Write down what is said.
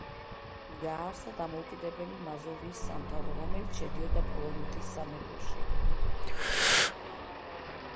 დააარსა დამოუკიდებელი მაზოვიის სამთავრო, რომელიც შედიოდა პოლონეთის სამეფოში.